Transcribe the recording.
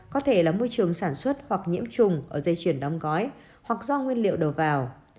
có thể là môi trường sản xuất hoặc nhiễm trùng ở dây chuyển đóng gói hoặc do nguyên liệu đầu vào